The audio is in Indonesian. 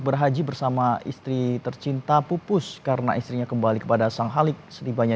berhaji bersama istri tercinta pupus karena istrinya kembali kepada sang halik setibanya